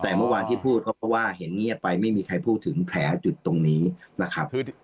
แต่เมื่อว่าที่พูดเฮ้ียเงียบไปไม่มีใครพูดถึงแผลจุดตรงนี้นะครับ